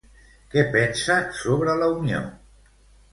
Què pensa sobre la unió?